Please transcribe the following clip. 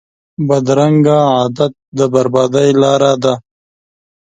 بدرنګه عادت د بربادۍ لاره ده